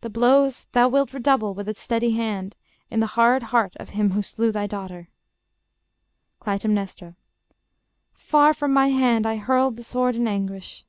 The blows Thou wilt redouble with a steady hand In the hard heart of him who slew thy daughter. Cly. Far from my hand I hurled the sword in anguish.